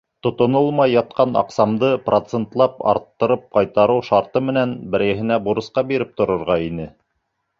— Тотонолмай ятҡан аҡсамды процентлап арттырып ҡайтартыу шарты менән берәйһенә бурысҡа биреп торорға ине.